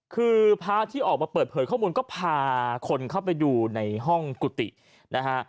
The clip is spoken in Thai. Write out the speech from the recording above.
คือพระที่ออกมาเปิดเผยข้อมูลก็พาคนเข้าไปดูในห้องกุฏินะฮะ